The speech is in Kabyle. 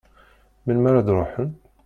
Melmi ara d-ruḥen?